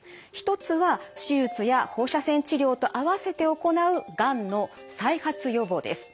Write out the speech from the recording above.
１つは手術や放射線治療と合わせて行うがんの再発予防です。